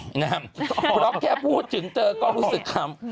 เพราะแค่พูดถึงเธอก็รู้สึกคำ